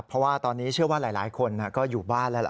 เพราะว่าตอนนี้เชื่อว่าหลายคนก็อยู่บ้านแล้ว